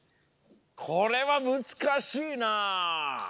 これはむずかしいな。